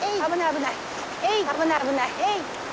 危ない危ない。